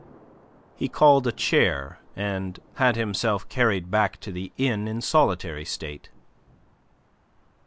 He called a chair and had himself carried back to the inn in solitary state.